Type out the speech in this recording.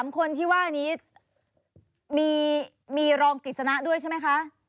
๓คนที่ว่านี้มีรองกฤษณะด้วยใช่ไหมคะ